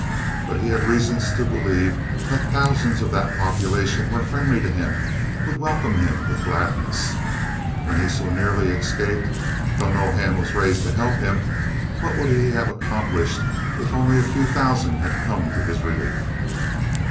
But he had reasons to believe that thousands of that population were friendly to him, would welcome him with gladness. When he so nearly escaped though no hand was raised to help him, what would he have accomplished if only a few thousand had come to his relief?